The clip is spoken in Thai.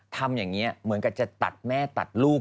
ทำอย่างนี้เหมือนกับจะตัดแม่ตัดลูก